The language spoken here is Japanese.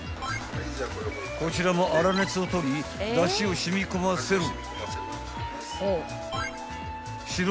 ［こちらも粗熱を取りだしを染み込ませる］